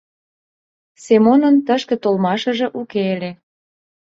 Семонын тышке толмашыже уке ыле.